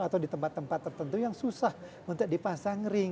atau di tempat tempat tertentu yang susah untuk dipasang ring